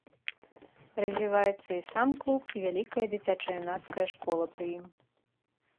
Развіваецца і сам клуб, і вялікая дзіцяча-юнацкая школа пры ім.